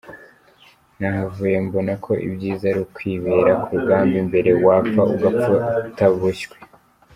Nahavuye mbona ko ibyiza ari ukwibera ku rugamba imbere, wapfa ugapfa utaboshywe.